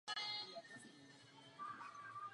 Jde o přímého předchůdce thrash metalu.